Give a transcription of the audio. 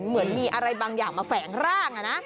เหมือนมีอะไรบางอย่างมาแฝงร่าง